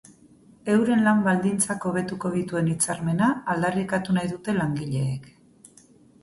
Euren lan baldintzak hobetuko dituen hitzarmena aldarrikatu nahi dute langileek.